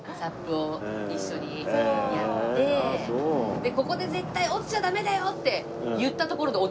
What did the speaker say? でここで絶対落ちちゃダメだよ！って言った所で。